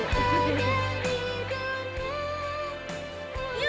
kau kembali nah